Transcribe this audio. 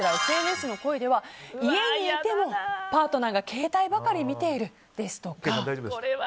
ＳＮＳの声では、家にいてもパートナーが携帯ばかり見ているですとか。